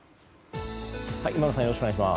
今村さん